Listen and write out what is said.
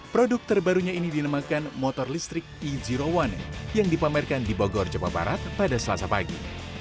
produk terbarunya ini dinamakan motor listrik e zero one yang dipamerkan di bogor jawa barat pada selasa pagi